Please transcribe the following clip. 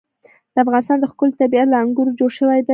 د افغانستان ښکلی طبیعت له انګورو جوړ شوی دی.